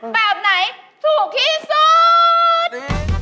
แบบไหนถูกที่สุด